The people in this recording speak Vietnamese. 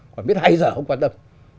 còn biết hay dở không quan tâm